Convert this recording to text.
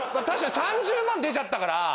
確かに３０万出ちゃったから。